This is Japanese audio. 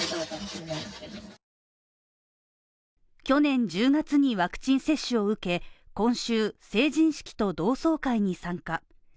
去年１０月にワクチン接種を受け、今週、成人式と同窓会に参加。